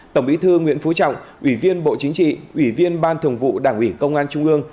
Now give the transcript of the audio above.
tổng bí thư nguyễn phú trọng ủy viên bộ chính trị ủy viên ban thường vụ đảng ủy công an trung ương